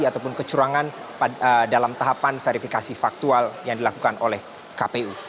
ataupun kecurangan dalam tahapan verifikasi faktual yang dilakukan oleh kpu